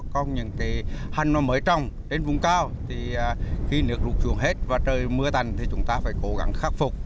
còn những hành nó mới trồng đến vùng cao thì khi nước lụt trùng hết và trời mưa tành thì chúng ta phải cố gắng khắc phục